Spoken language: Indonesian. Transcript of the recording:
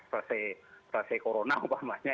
selesai selesai corona